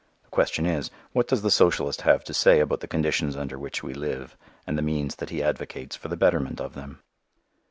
The question is, what does the socialist have to say about the conditions under which we live and the means that he advocates for the betterment of them?